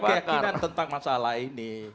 kita punya keyakinan tentang masalah ini